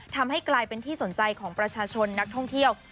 ทำให้กลายเป็นที่สนใจของประชาชนนักท่องเที่ยว